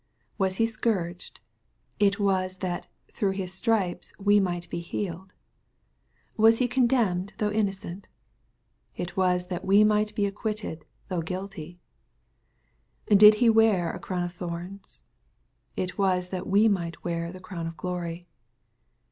— Was He scourged ? It was that " through His stripes we might be healed." — ^Was he condemned, though innocent ? It was that we might be acquitted though guilty. — Did He wear a crown of thorns ? It was that we might wear the crown of glory.